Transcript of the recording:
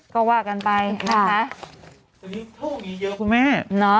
ก็ว่ากันไปนะคะทูปมีเยอะครับคุณแม่